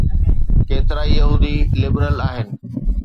ڪيترائي يهودي لبرل آهن.